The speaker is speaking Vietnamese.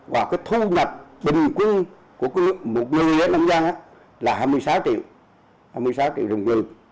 và thu nhập bình quân của một người nông dân là hai mươi sáu triệu đồng